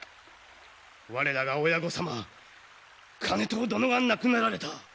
我らが親御様兼遠殿が亡くなられた。